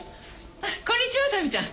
あっこんにちは民ちゃん。